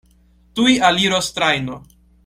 Tuj aliros trajno.